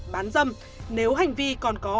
bán dâm nếu hành vi còn có